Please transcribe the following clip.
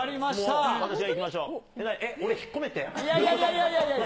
俺、引っ込めって？